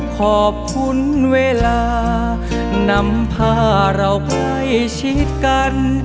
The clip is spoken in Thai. ขอบคุณเวลานำพาเราใกล้ชิดกัน